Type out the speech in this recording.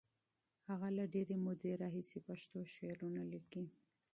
هغه له ډېرې مودې راهیسې پښتو شعرونه لیکي.